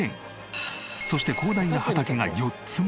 そして広大な畑が４つも！